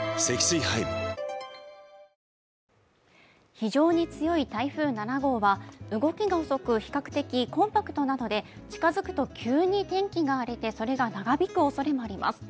非常に強い台風７号は、動きが遅く比較的コンパクトなので近づくと急に天気が荒れてそれが長引くおそれがあります。